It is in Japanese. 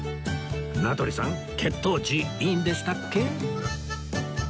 名取さん血糖値いいんでしたっけ？